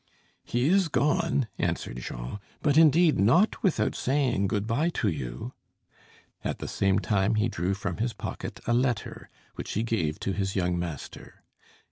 "He is gone," answered Jean, "but indeed not without saying good bye to you." At the same time he drew from his pocket a letter, which he gave to his young master.